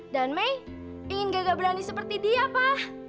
dan mei ingin gagak berani seperti dia pa